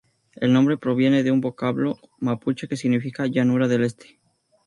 El nombre proviene de un vocablo Mapuche que significa "Llanura del este".